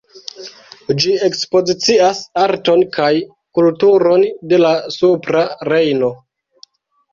Ĝi ekspozicias arton kaj kulturon de la Supra Rejno.